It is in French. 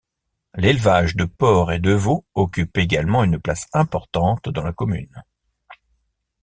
L'élevage de porcs et de veaux occupe également une place importante dans la commune.